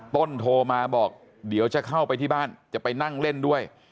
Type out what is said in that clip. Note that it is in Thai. โทรมาบอกเดี๋ยวจะเข้าไปที่บ้านจะไปนั่งเล่นด้วย